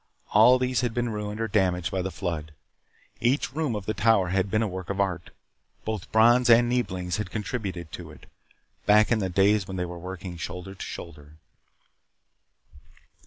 All these had been ruined or damaged by the flood. Each room of the Tower had been a work of art. Both Brons and Neeblings had contributed to it, back in the days when they were working shoulder to shoulder.